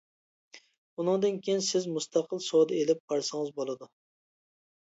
ئۇنىڭدىن كىيىن سىز مۇستەقىل سودا ئېلىپ بارسىڭىز بولىدۇ.